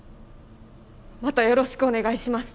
またよろしくお願いします。